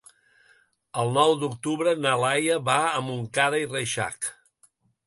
El nou d'octubre na Laia va a Montcada i Reixac.